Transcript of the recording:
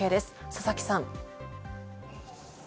佐々木さん。